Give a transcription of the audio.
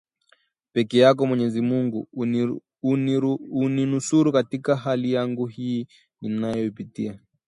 pekee yako mwenyezi Mungu uninusuru katika hali yangu hii ninayoipitia